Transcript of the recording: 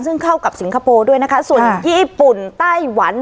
ซึ่งเข้ากับสิงคโปร์ด้วยนะคะส่วนญี่ปุ่นไต้หวัน